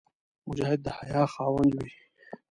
مجاهد د حیا خاوند وي.